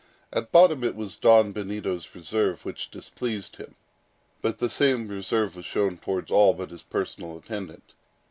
At bottom it was Don Benito's reserve which displeased him; but the same reserve was shown towards all but his faithful personal attendant.